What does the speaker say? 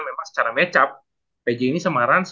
memang secara match up pj ini sama ranz